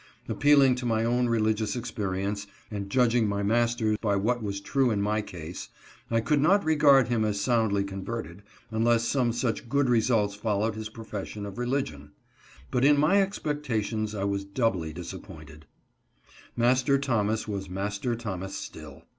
Appealing to my own religious experience, and judging my master by what was true in my own case, I could not regard him as soundly converted, unless some / such good results followed his profession of religion. But in my expectations I was doubly disappointed: Master Thomas was Master Thomas still.